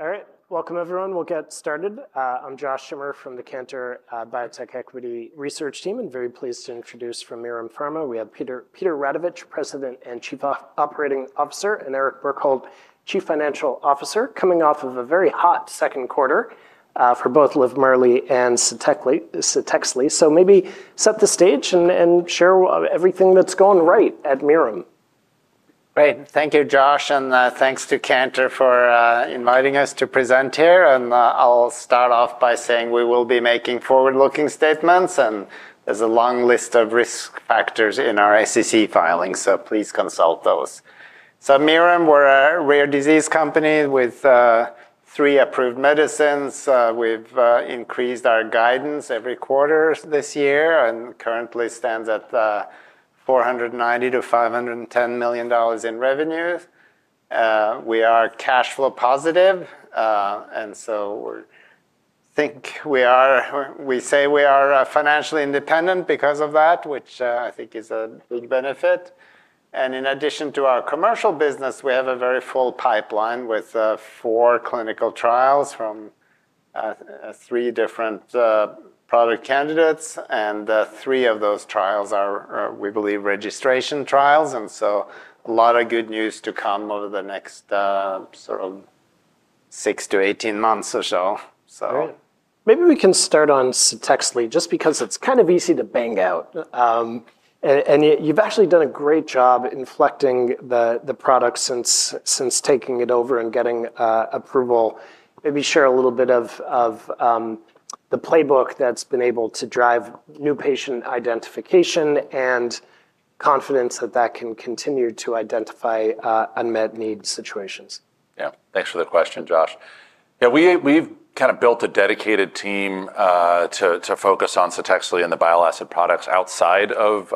All right. Welcome, everyone. We'll get started. I'm Josh Schimmer from the Cantor Biotech Equity Research Team, and very pleased to introduce from Mirum Pharma. We have Peter Radovich, President and Chief Operating Officer, and Eric Bjerkholt, Chief Financial Officer, coming off of a very hot second quarter for both LIVMARLI and CTEXLI. Maybe set the stage and share everything that's going right at Mirum. Right. Thank you, Josh, and thanks to Cantor for inviting us to present here. I'll start off by saying we will be making forward-looking statements, and there's a long list of risk factors in our SEC filings, so please consult those. Mirum, we're a rare disease company with three approved medicines. We've increased our guidance every quarter this year and currently stand at $490 million- $510 million in revenue. We are cash flow positive, and I think we say we are financially independent because of that, which I think is a big benefit. In addition to our commercial business, we have a very full pipeline with four clinical trials from three different product candidates, and three of those trials are, we believe, registration trials. A lot of good news to come over the next sort of 6- 18 months or so. Maybe we can start on CTEXLI just because it's kind of easy to bang out. You've actually done a great job inflecting the product since taking it over and getting approval. Maybe share a little bit of the playbook that's been able to drive new patient identification and confidence that that can continue to identify unmet need situations. Yeah, thanks for the question, Josh. We've kind of built a dedicated team to focus on CTEXLI and the bile acid products outside of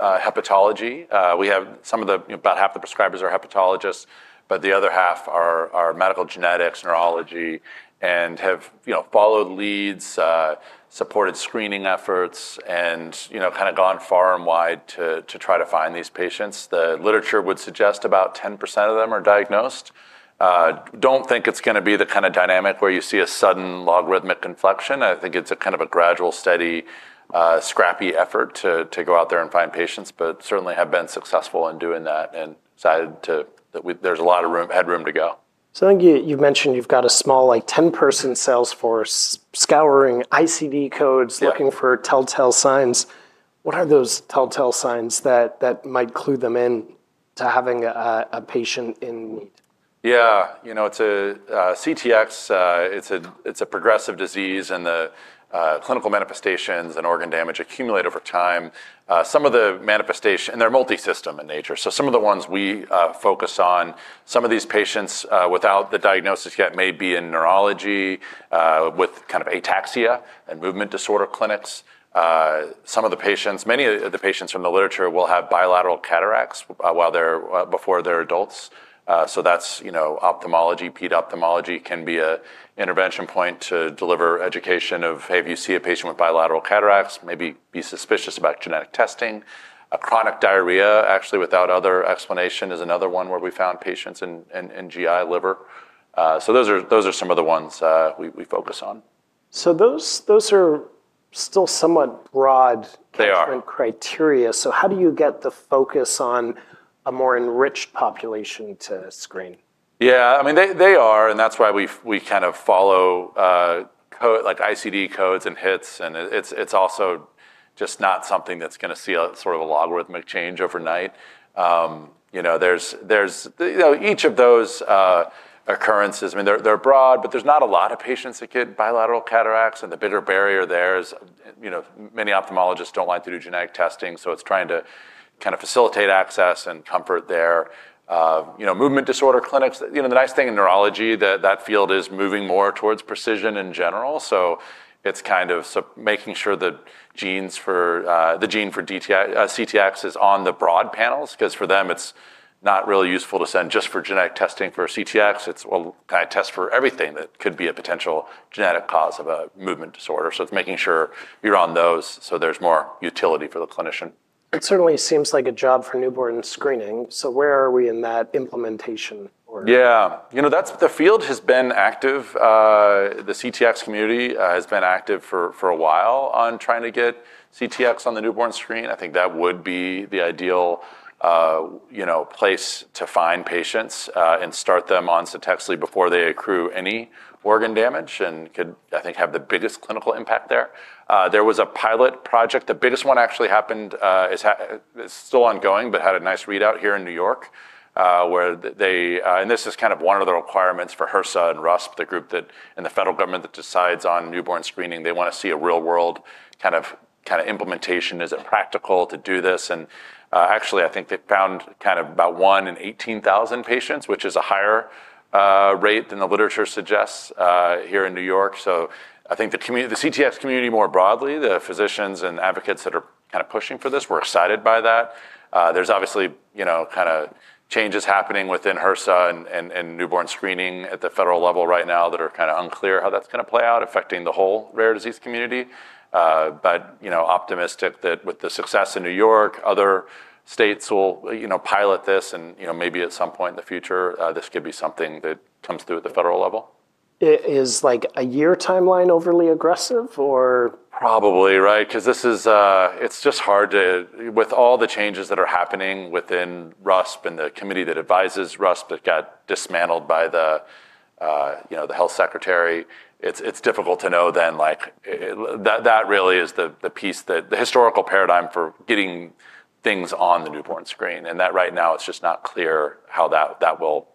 hepatology. We have some of the, about half the prescribers are hepatologists, but the other half are medical genetics, neurology, and have followed leads, supported screening efforts, and kind of gone far and wide to try to find these patients. The literature would suggest about 10% of them are diagnosed. I don't think it's going to be the kind of dynamic where you see a sudden logarithmic inflection. I think it's kind of a gradual, steady, scrappy effort to go out there and find patients, but certainly have been successful in doing that and decided that there's a lot of headroom to go. I think you've mentioned you've got a small, like, 10-person sales force scouring ICD codes, looking for telltale signs. What are those telltale signs that might clue them in to having a patient in need? Yeah, you know, it's a CTX. It's a progressive disease, and the clinical manifestations and organ damage accumulate over time. Some of the manifestations, and they're multi-system in nature, so some of the ones we focus on, some of these patients without the diagnosis yet may be in neurology with kind of ataxia and movement disorder clinics. Many of the patients from the literature will have bilateral cataracts before they're adults. That's ophthalmology, pedophthalmology can be an intervention point to deliver education of, hey, if you see a patient with bilateral cataracts, maybe be suspicious about genetic testing. A chronic diarrhea, actually, without other explanation is another one where we found patients in GI, liver. Those are some of the ones we focus on. Those are still somewhat broad. They are. Criteria. How do you get the focus on a more enriched population to screen? Yeah, I mean, they are, and that's why we kind of follow ICD codes and HITs, and it's also just not something that's going to see a sort of a logarithmic change overnight. Each of those occurrences, I mean, they're broad, but there's not a lot of patients that get bilateral cataracts, and the bigger barrier there is, you know, many ophthalmologists don't want to do genetic testing, so it's trying to kind of facilitate access and comfort there. Movement disorder clinics, the nice thing in neurology is that field is moving more towards precision in general, so it's kind of making sure that the gene for cerebrotendinous xanthomatosis (CTX) is on the broad panels, because for them, it's not really useful to send just for genetic testing for CTX. It's, well, can I test for everything that could be a potential genetic cause of a movement disorder? It's making sure you're on those so there's more utility for the clinician. It certainly seems like a job for newborn screening. Where are we in that implementation? Yeah, you know, the field has been active. The CTX community has been active for a while on trying to get CTX on the newborn screen. I think that would be the ideal place to find patients and start them on CTEXLI before they accrue any organ damage and could, I think, have the biggest clinical impact there. There was a pilot project. The biggest one actually happened, it's still ongoing, but had a nice readout here in New York where they, and this is kind of one of the requirements for HRSA and RUSP, the group in the federal government that decides on newborn screening. They want to see a real-world kind of implementation. Is it practical to do this? Actually, I think they found kind of about one in 18,000 patients, which is a higher rate than the literature suggests here in New York. I think the CTX community more broadly, the physicians and advocates that are kind of pushing for this, were excited by that. There are obviously changes happening within HRSA and newborn screening at the federal level right now that are kind of unclear how that's going to play out affecting the whole rare disease community. Optimistic that with the success in New York, other states will pilot this, and maybe at some point in the future, this could be something that comes through at the federal level. Is like a year timeline overly aggressive? Probably, right? Because this is, it's just hard to, with all the changes that are happening within RUSP and the committee that advises RUSP that got dismantled by the health secretary, it's difficult to know then, like, that really is the piece that the historical paradigm for getting things on the newborn screen. Right now, it's just not clear how that will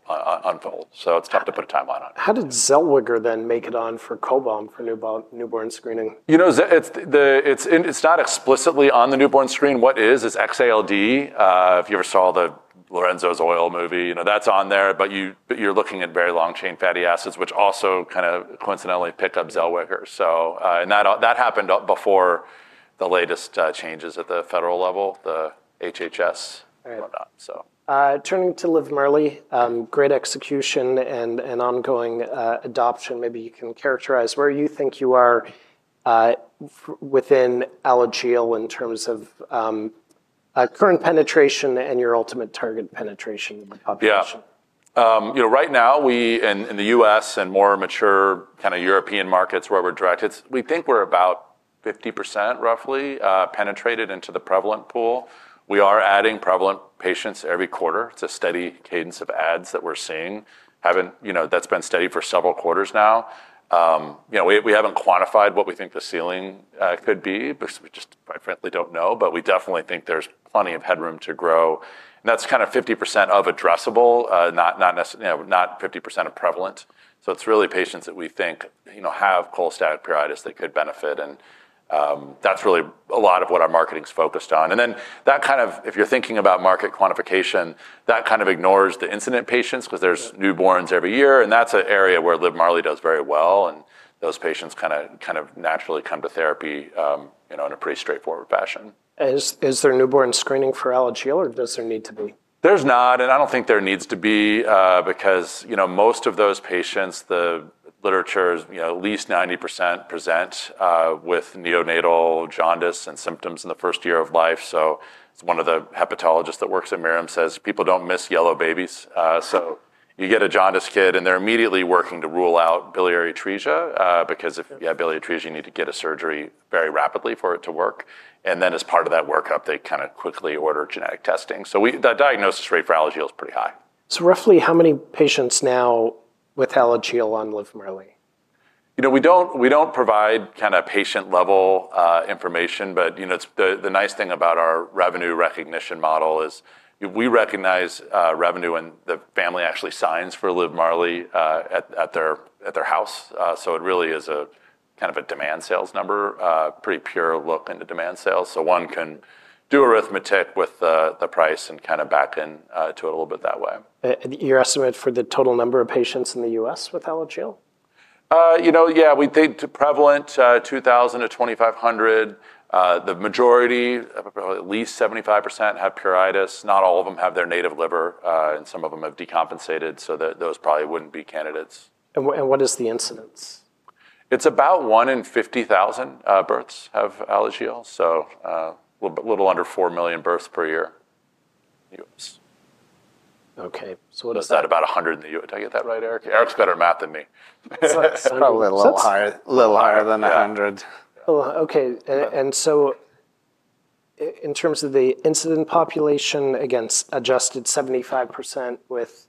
unfold. It's tough to put a timeline on it. How did Zellweger then make it on for CHOLBAM for newborn screening? You know, it's not explicitly on the newborn screen. What is, is XALD. If you ever saw the Lorenzo's Oil movie, you know, that's on there, but you're looking at very long-chain fatty acids, which also kind of coincidentally pick up Zellweger. That happened before the latest changes at the federal level, the HHS, whatnot. Turning to LIVMARLI, great execution and ongoing adoption. Maybe you can characterize where you think you are within Alagille in terms of current penetration and your ultimate target penetration in the population? Yeah, you know, right now, we in the U.S. and more mature kind of European markets where we're directed, we think we're about 50% roughly penetrated into the prevalent pool. We are adding prevalent patients every quarter. It's a steady cadence of adds that we're seeing. That's been steady for several quarters now. We haven't quantified what we think the ceiling could be, we just quite frankly don't know. We definitely think there's plenty of headroom to grow. That's kind of 50% of addressable, not necessarily, not 50% of prevalent. So it's really patients that we think, you know, have cholestatic pruritus that could benefit. That's really a lot of what our marketing is focused on. If you're thinking about market quantification, that kind of ignores the incident patients because there's newborns every year. That's an area where LIVMARLI does very well, and those patients kind of naturally come to therapy, you know, in a pretty straightforward fashion. Is there newborn screening for Alagille, or does there need to be? There's not. I don't think there needs to be because, you know, most of those patients, the literature is, you know, at least 90% present with neonatal jaundice and symptoms in the first year of life. One of the hepatologists that works at Mirum says people don't miss yellow babies. You get a jaundice kid, and they're immediately working to rule out biliary atresia because if you have biliary atresia, you need to get a surgery very rapidly for it to work. As part of that workup, they kind of quickly order genetic testing. That diagnosis rate for Alagille is pretty high. Roughly how many patients now with Alagille on LIVMARLI? We don't provide kind of patient-level information, but the nice thing about our revenue recognition model is we recognize revenue when the family actually signs for LIVMARLI at their house. It really is a kind of a demand sales number, a pretty pure look into demand sales. One can do arithmetic with the price and kind of back into it a little bit that way. Your estimate for the total number of patients in the U.S. with Alagille? We think prevalent 2,000- 2,500. The majority, probably at least 75%, have pruritus. Not all of them have their native liver, and some of them have decompensated, so those probably wouldn't be candidates. What is the incidence? It's about one in 50,000 births have Alagille, so a little under 4 million births per year in the U.S. Okay. Is that about 100 in the U.S.? Did I get that right, Eric? Eric's better at math than me. It's probably a little higher than 100. A little higher. Okay. In terms of the incident population, against adjusted 75% with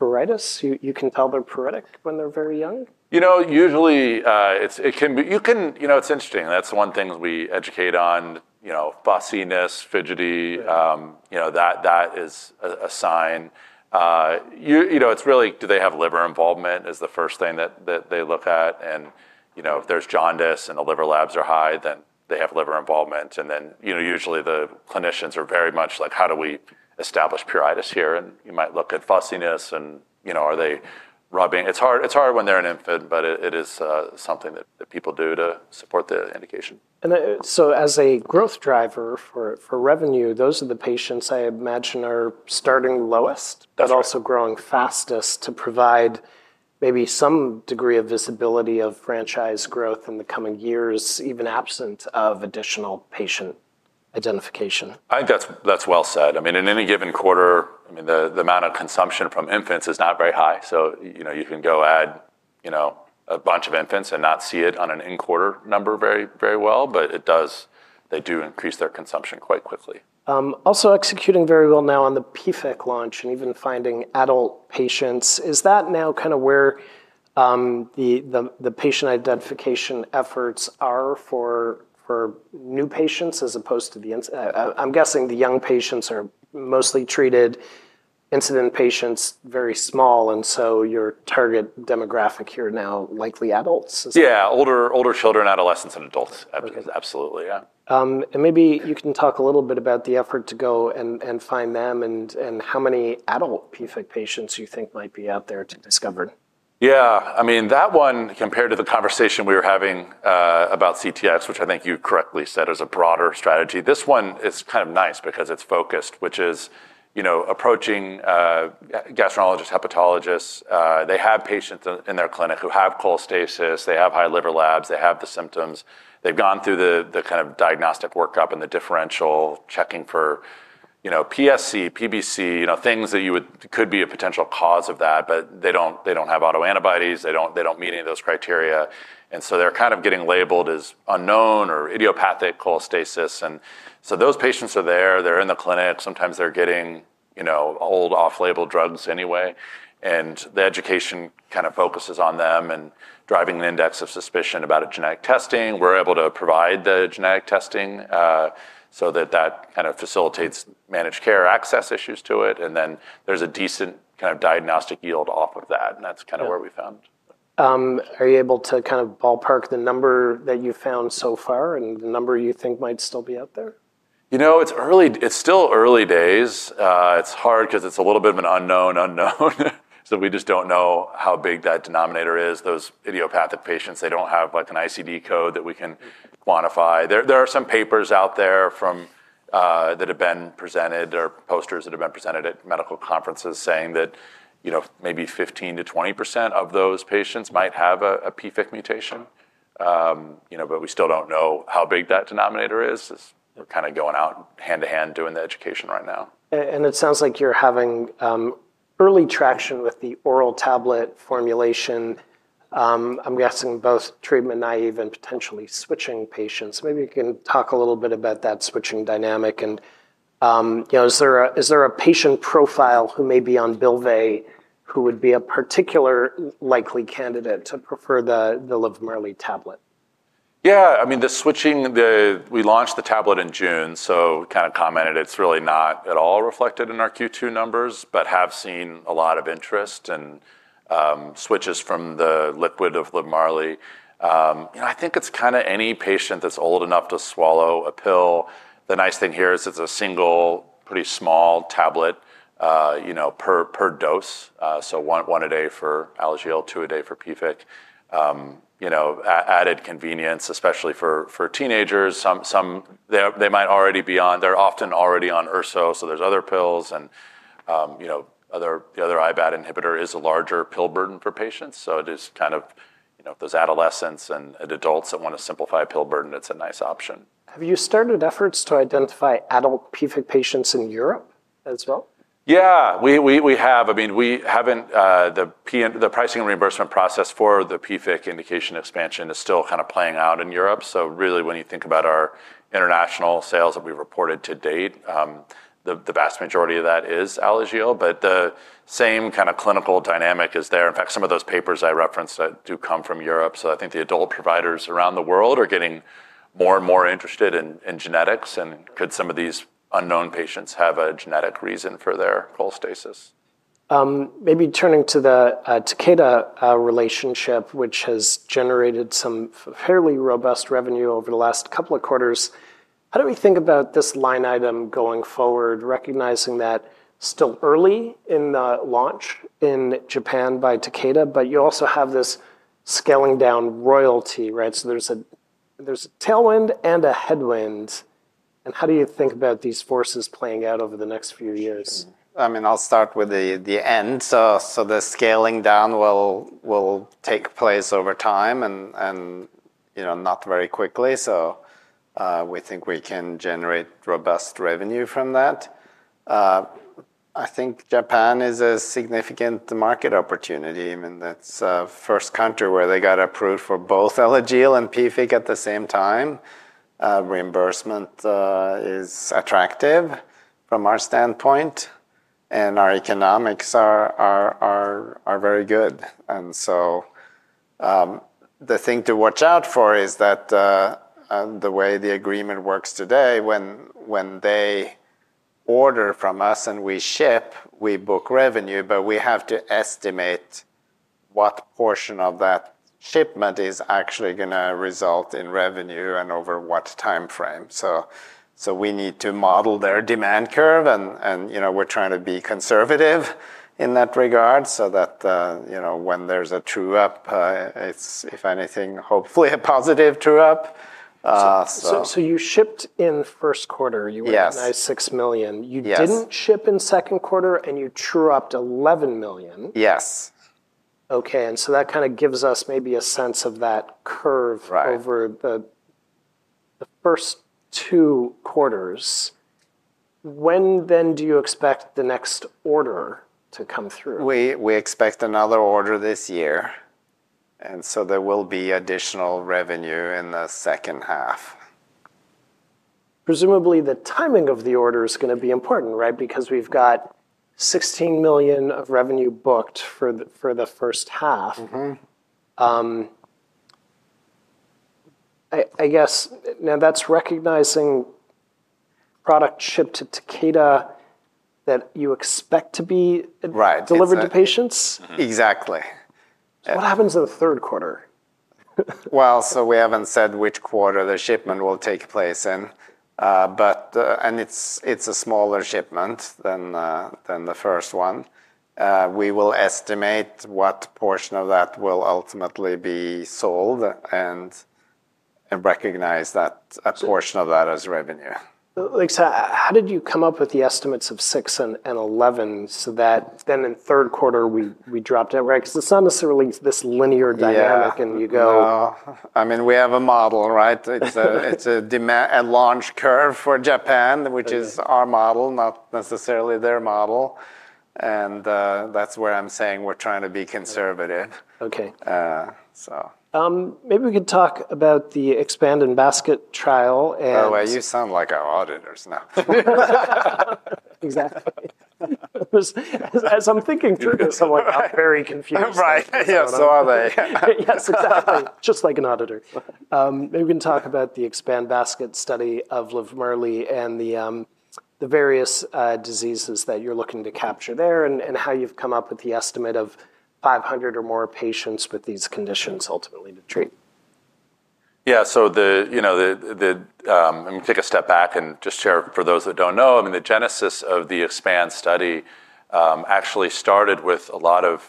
pruritus, you can tell they're pruritic when they're very young? Usually, it can be, you know, it's interesting. That's one thing we educate on, fussiness, fidgety, that is a sign. It's really, do they have liver involvement is the first thing that they look at. If there's jaundice and the liver labs are high, then they have liver involvement. Usually, the clinicians are very much like, how do we establish pruritus here? You might look at fussiness and, are they rubbing? It's hard when they're an infant, but it is something that people do to support the indication. As a growth driver for revenue, those are the patients I imagine are starting lowest, but also growing fastest to provide maybe some degree of visibility of franchise growth in the coming years, even absent of additional patient identification. I think that's well said. In any given quarter, the amount of consumption from infants is not very high. You can go add a bunch of infants and not see it on an in-quarter number very, very well, but they do increase their consumption quite quickly. Also executing very well now on the PFIC launch and even finding adult patients. Is that now kind of where the patient identification efforts are for new patients as opposed to the, I'm guessing the young patients are mostly treated, incident patients very small. Your target demographic here now, likely adults. Yeah, older children, adolescents, and adults. Absolutely, yeah. Maybe you can talk a little bit about the effort to go and find them and how many adult PFIC patients you think might be out there to discover. Yeah, I mean, that one compared to the conversation we were having about CTX, which I think you correctly said is a broader strategy. This one is kind of nice because it's focused, which is, you know, approaching gastroenterologists, hepatologists. They have patients in their clinic who have cholestasis. They have high liver labs. They have the symptoms. They've gone through the kind of diagnostic workup and the differential checking for, you know, PSC, PBC, things that you would, could be a potential cause of that, but they don't have autoantibodies. They don't meet any of those criteria. They're kind of getting labeled as unknown or idiopathic cholestasis. Those patients are there. They're in the clinic. Sometimes they're getting old off-label drugs anyway. The education kind of focuses on them and driving an index of suspicion about genetic testing. We're able to provide the genetic testing so that that kind of facilitates managed care access issues to it. There's a decent kind of diagnostic yield off of that. That's kind of where we found. Are you able to kind of ballpark the number that you found so far and the number you think might still be out there? You know, it's early, it's still early days. It's hard because it's a little bit of an unknown, unknown. We just don't know how big that denominator is. Those idiopathic patients don't have like an ICD code that we can quantify. There are some papers out there that have been presented or posters that have been presented at medical conferences saying that maybe 15%- 20% of those patients might have a PFIC mutation. We still don't know how big that denominator is. We're kind of going out hand to hand doing the education right now. It sounds like you're having early traction with the oral tablet formulation. I'm guessing both treatment naive and potentially switching patients. Maybe you can talk a little bit about that switching dynamic. Is there a patient profile who may be on Bylvay who would be a particular likely candidate to prefer the LIVMARLI tablet? Yeah, I mean, the switching, we launched the tablet in June, so kind of commented, it's really not at all reflected in our Q2 numbers, but have seen a lot of interest and switches from the liquid of LIVMARLI. I think it's kind of any patient that's old enough to swallow a pill. The nice thing here is it's a single, pretty small tablet per dose. One a day for Alagille, two a day for PFIC. Added convenience, especially for teenagers. Some might already be on, they're often already on urso, so there's other pills. The other IBAT inhibitor is a larger pill burden for patients. It is kind of, if there's adolescents and adults that want to simplify pill burden, it's a nice option. Have you started efforts to identify adult PFIC patients in Europe as well? Yeah, we have. I mean, we haven't, the pricing and reimbursement process for the PFIC indication expansion is still kind of playing out in Europe. Really, when you think about our international sales that we've reported to date, the vast majority of that is Alagille, but the same kind of clinical dynamic is there. In fact, some of those papers I referenced do come from Europe. I think the adult providers around the world are getting more and more interested in genetics and could some of these unknown patients have a genetic reason for their cholestasis? Maybe turning to the Takeda relationship, which has generated some fairly robust revenue over the last couple of quarters. How do we think about this line item going forward, recognizing that still early in the launch in Japan by Takeda, but you also have this scaling down royalty, right? There is a tailwind and a headwind. How do you think about these forces playing out over the next few years? I'll start with the end. The scaling down will take place over time and, you know, not very quickly. We think we can generate robust revenue from that. I think Japan is a significant market opportunity. That's the first country where they got approved for both Alagille and PFIC at the same time. Reimbursement is attractive from our standpoint and our economics are very good. The thing to watch out for is that the way the agreement works today, when they order from us and we ship, we book revenue, but we have to estimate what portion of that shipment is actually going to result in revenue and over what timeframe. We need to model their demand curve and, you know, we're trying to be conservative in that regard so that, you know, when there's a true up, it's, if anything, hopefully a positive true up. You shipped in the first quarter, you recognized $6 million. You didn't ship in the second quarter, and you true-upped $11 million. Yes. Okay, that kind of gives us maybe a sense of that curve over the first two quarters. When do you expect the next order to come through? We expect another order this year, so there will be additional revenue in the second half. Presumably, the timing of the order is going to be important, right? Because we've got $16 million of revenue booked for the first half. I guess now that's recognizing product shipped to Takeda that you expect to be delivered to patients. Exactly. What happens in the third quarter? We haven't said which quarter the shipment will take place in, but it's a smaller shipment than the first one. We will estimate what portion of that will ultimately be sold and recognize that portion of that as revenue. How did you come up with the estimates of $6 million and $11 million so that then in third quarter we dropped out, right? Because it's not necessarily this linear dynamic and you go. No, I mean, we have a model, right? It's a launch curve for Japan, which is our model, not necessarily their model. That's where I'm saying we're trying to be conservative. Okay, maybe we can talk about the expanded basket study. By the way, you sound like our auditors now. Exactly. As I'm thinking through this, I'm very confused. Right. Yeah, so are they. Yes, exactly. Just like an auditor. Maybe we can talk about the expanded basket study of LIVMARLI and the various diseases that you're looking to capture there, and how you've come up with the estimate of 500 or more patients with these conditions ultimately to treat. Yeah, so, you know, I'm going to take a step back and just share for those that don't know. I mean, the genesis of the expanded study actually started with a lot of,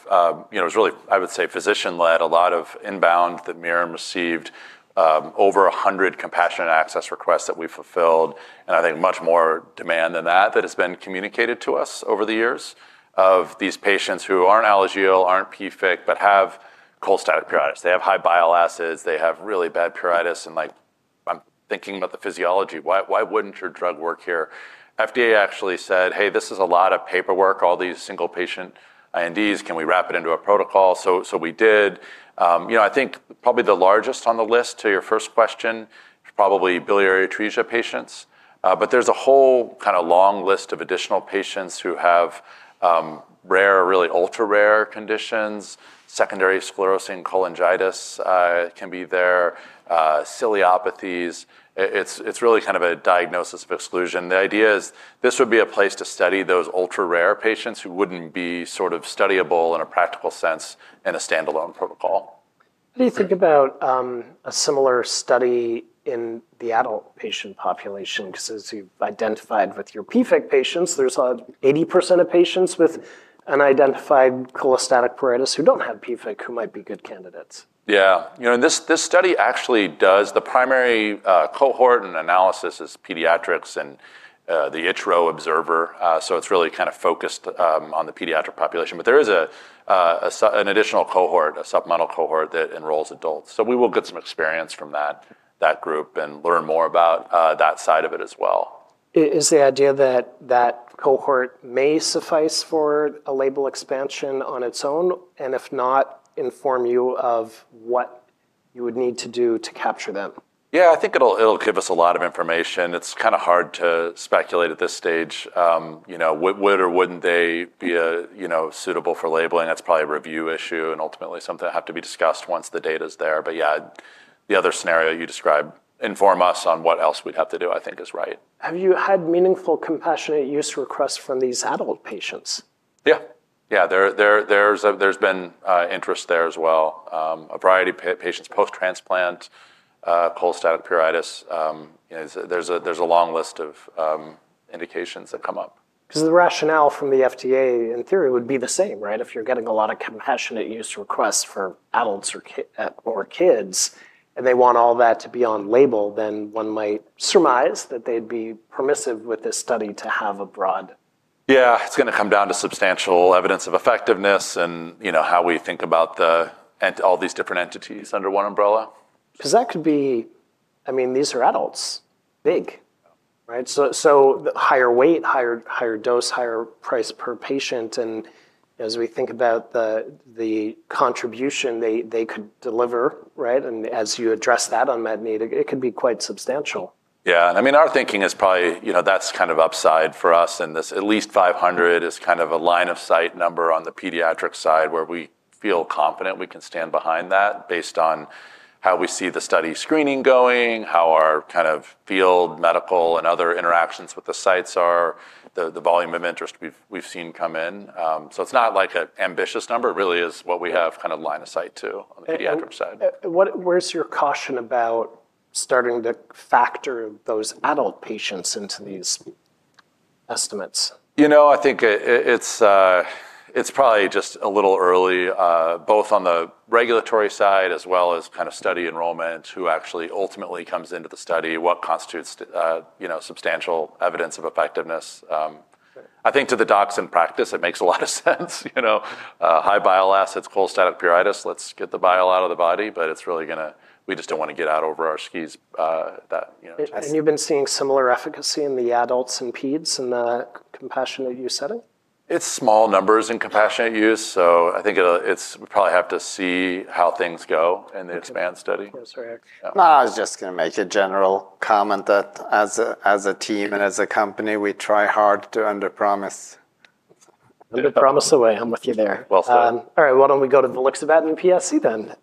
you know, it was really, I would say, physician-led. A lot of inbound that Mirum received, over 100 compassionate access requests that we fulfilled. I think much more demand than that has been communicated to us over the years of these patients who aren't Alagille, aren't PFIC, but have cholestatic pruritus. They have high bile acids. They have really bad pruritus. I'm thinking about the physiology. Why wouldn't your drug work here? FDA actually said, hey, this is a lot of paperwork, all these single-patient INDs. Can we wrap it into a protocol? We did. I think probably the largest on the list to your first question is probably biliary atresia patients. There's a whole kind of long list of additional patients who have rare, really ultra-rare conditions. Secondary sclerosing cholangitis can be there. Scoliopathies. It's really kind of a diagnosis of exclusion. The idea is this would be a place to study those ultra-rare patients who wouldn't be sort of studiable in a practical sense in a standalone protocol. What do you think about a similar study in the adult patient population? Because as you identified with your PFIC patients, there's 80% of patients with an identified cholestatic pruritus who don't have PFIC who might be good candidates. Yeah, you know, this study actually does the primary cohort and analysis in pediatrics and the Ichiro observer. It's really kind of focused on the pediatric population. There is an additional cohort, a supplemental cohort that enrolls adults. We will get some experience from that group and learn more about that side of it as well. Is the idea that that cohort may suffice for a label expansion on its own? If not, inform you of what you would need to do to capture them. Yeah, I think it'll give us a lot of information. It's kind of hard to speculate at this stage. You know, would or wouldn't they be suitable for labeling? That's probably a review issue and ultimately something that has to be discussed once the data is there. The other scenario you described, inform us on what else we'd have to do, I think is right. Have you had meaningful compassionate use requests from these adult patients? Yeah, there's been interest there as well. A variety of patients post-transplant, cholestatic pruritus. There's a long list of indications that come up. Because the rationale from the FDA in theory would be the same, right? If you're getting a lot of compassionate use requests for adults or kids, and they want all that to be on label, then one might surmise that they'd be permissive with this study to have a broad. Yeah, it's going to come down to substantial evidence of effectiveness and how we think about all these different entities under one umbrella. Because that could be, I mean, these are adults, big, right? The higher weight, higher dose, higher price per patient. As we think about the contribution they could deliver, and as you address that unmet need, it could be quite substantial. Yeah, I mean, our thinking is probably, you know, that's kind of upside for us. This at least 500 is kind of a line of sight number on the pediatric side where we feel confident we can stand behind that based on how we see the study screening going, how our kind of field, medical, and other interactions with the sites are, the volume of interest we've seen come in. It's not like an ambitious number. It really is what we have kind of line of sight to on the pediatric side. Where's your caution about starting to factor those adult patients into these estimates? I think it's probably just a little early, both on the regulatory side as well as kind of study enrollment, who actually ultimately comes into the study, what constitutes substantial evidence of effectiveness. I think to the docs in practice, it makes a lot of sense, high bile acids, cholestatic pruritus, let's get the bile out of the body, but we just don't want to get out over our skis. Have you been seeing similar efficacy in the adults and peds in the compassionate use setting? It's small numbers in compassionate use. I think it'll, it's, we probably have to see how things go in the expanded study. I was just going to make a general comment that as a team and as a company, we try hard to underpromise. We don't promise away. I'm with you there. Well said. All right, why don't we go to the liquid bed and PSC then?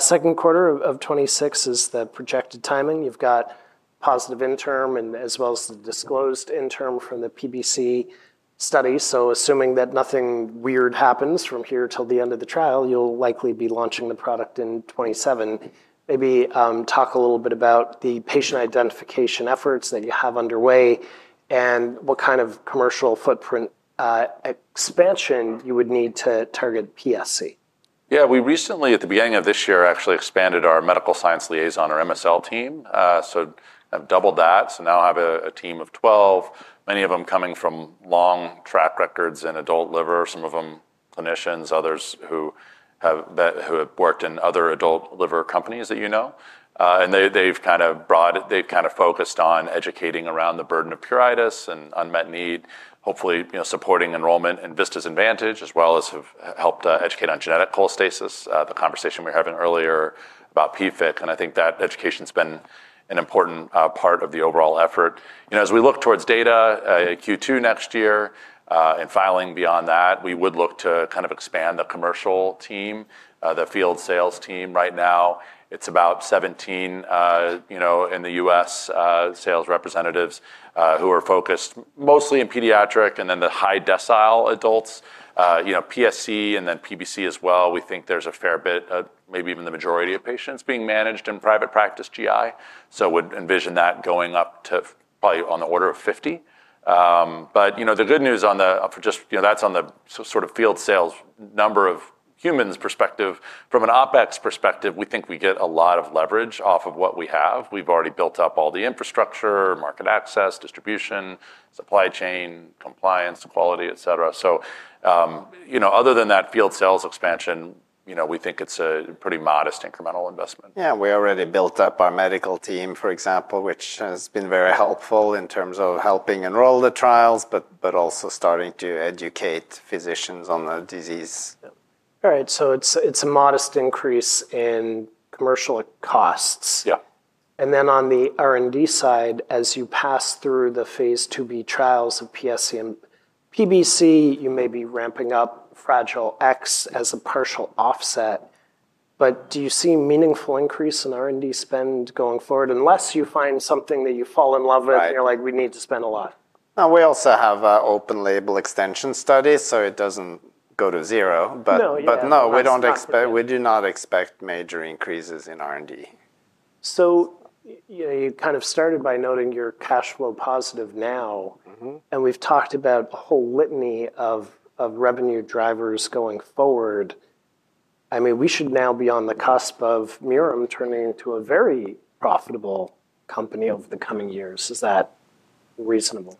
Second quarter of 2026 is the projected timing. You've got positive interim and as well as the disclosed interim from the PBC study. Assuming that nothing weird happens from here till the end of the trial, you'll likely be launching the product in 2027. Maybe talk a little bit about the patient identification efforts that you have underway and what kind of commercial footprint expansion you would need to target PSC. Yeah, we recently, at the beginning of this year, actually expanded our Medical Science Liaison, our MSL team. I've doubled that. Now I have a team of 12, many of them coming from long track records in adult liver, some of them clinicians, others who have worked in other adult liver companies that you know. They've kind of brought, they've kind of focused on educating around the burden of pruritus and unmet need, hopefully supporting enrollment in Vista's advantage, as well as have helped educate on genetic cholestasis, the conversation we were having earlier about PFIC. I think that education's been an important part of the overall effort. As we look towards data Q2 next year and filing beyond that, we would look to kind of expand the commercial team, the field sales team. Right now, it's about 17 in the U.S. sales representatives who are focused mostly in pediatric and then the high decile adults, PSC and then PBC as well. We think there's a fair bit, maybe even the majority of patients being managed in private practice GI. I would envision that going up to probably on the order of 50. The good news on the, just, that's on the sort of field sales number of humans perspective. From an OpEx perspective, we think we get a lot of leverage off of what we have. We've already built up all the infrastructure, market access, distribution, supply chain, compliance, quality, etc. Other than that field sales expansion, we think it's a pretty modest incremental investment. We already built up our medical team, for example, which has been very helpful in terms of helping enroll the trials, but also starting to educate physicians on the disease. All right, it's a modest increase in commercial costs. Yeah. On the R&D side, as you pass through the phase II-B trials of PSC and PBC, you may be ramping up Fragile X as a partial offset. Do you see meaningful increase in R&D spend going forward unless you find something that you fall in love with and you're like, we need to spend a lot. We also have open label extension studies, so it doesn't go to zero. No, we do not expect major increases in R&D. You kind of started by noting you're cash flow positive now, and we've talked about a whole litany of revenue drivers going forward. I mean, we should now be on the cusp of Mirum turning into a very profitable company over the coming years. Is that reasonable?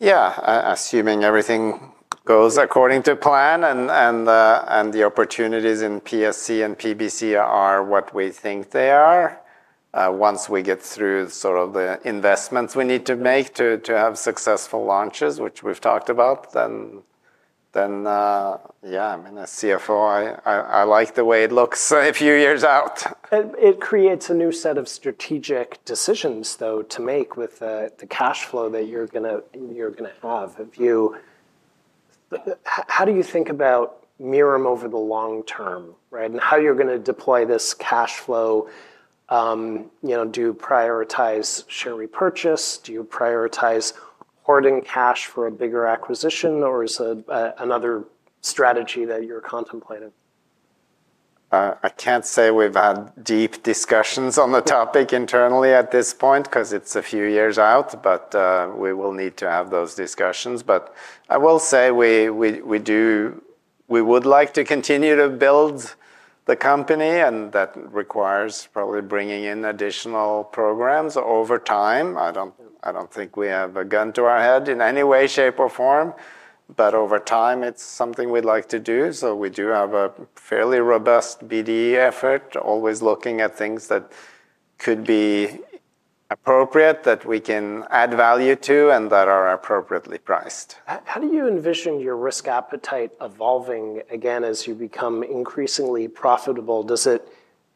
Assuming everything goes according to plan and the opportunities in PSC and PBC are what we think they are, once we get through the investments we need to make to have successful launches, which we've talked about, then, yeah, I mean, as CFO, I like the way it looks a few years out. It creates a new set of strategic decisions, though, to make with the cash flow that you're going to have. How do you think about Mirum over the long term, right? How you're going to deploy this cash flow? Do you prioritize, should we purchase? Do you prioritize hoarding cash for a bigger acquisition, or is it another strategy that you're contemplating? I can't say we've had deep discussions on the topic internally at this point because it's a few years out. We will need to have those discussions. I will say we do, we would like to continue to build the company, and that requires probably bringing in additional programs over time. I don't think we have a gun to our head in any way, shape, or form. Over time, it's something we'd like to do. We do have a fairly robust BDE effort, always looking at things that could be appropriate, that we can add value to, and that are appropriately priced. How do you envision your risk appetite evolving again as you become increasingly profitable? Does it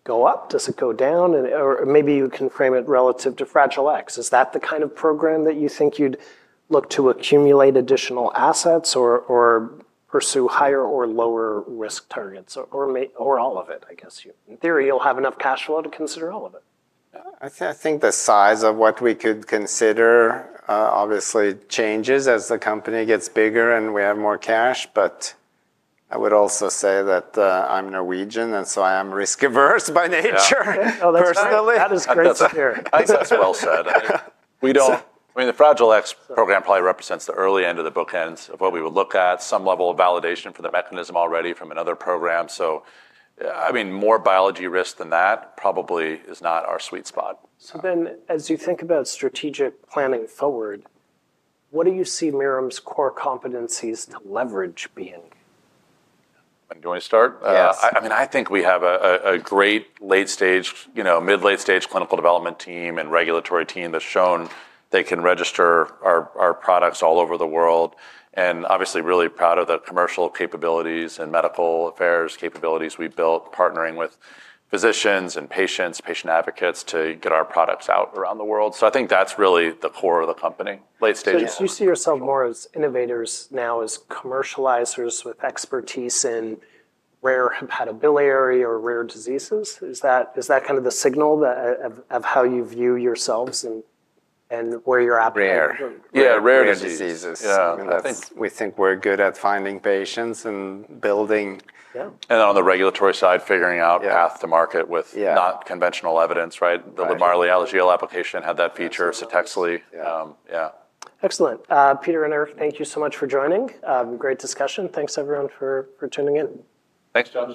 go up? Does it go down? Maybe you can frame it relative to Fragile X. Is that the kind of program that you think you'd look to accumulate additional assets or pursue higher or lower risk targets, or all of it, I guess? In theory, you'll have enough cash flow to consider all of it. I think the size of what we could consider obviously changes as the company gets bigger and we have more cash. I would also say that I'm Norwegian, and so I am risk-averse by nature. Oh, that's great to hear. That's well said. The Fragile X program probably represents the early end of the bookends of what we would look at, some level of validation for the mechanism already from another program. More biology risk than that probably is not our sweet spot. As you think about strategic planning forward, what do you see Mirum 's core competencies to leverage being? I'm going to start. Yeah. I think we have a great late-stage, you know, mid-late-stage clinical development team and regulatory team that's shown they can register our products all over the world. Obviously, really proud of the commercial capabilities and medical affairs capabilities we built, partnering with physicians and patients, patient advocates to get our products out around the world. I think that's really the core of the company. Late-stage appetite. Do you see yourself more as innovators now as commercializers with expertise in rare hepatobiliary or rare diseases? Is that kind of the signal of how you view yourselves and where you're at? Yeah, rare diseases. Yeah, I think we're good at finding patients and building. On the regulatory side, figuring out path to market with not conventional evidence, right? The LIVMARLI Alagille application had that feature, CTEXLI. Yeah. Excellent. Peter and Eric, thank you so much for joining. Great discussion. Thanks, everyone, for tuning in. Thanks, John.